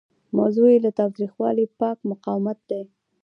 موضوع یې له تاوتریخوالي پاک مقاومت دی.